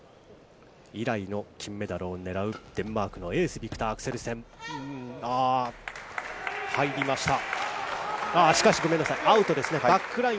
以来の金メダルを狙うデンマークのエース、ビクター・アクセルセン。